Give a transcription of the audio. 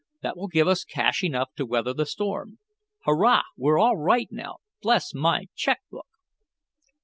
That will give us cash enough to weather the storm. Hurrah! We're all right now. Bless my check book!"